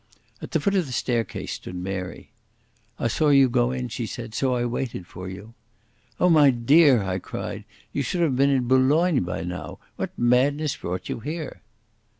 At the foot of the staircase stood Mary. "I saw you go in," she said, "so I waited for you." "Oh, my dear," I cried, "you should have been in Boulogne by now. What madness brought you here?"